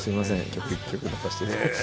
曲１曲出させていただいて。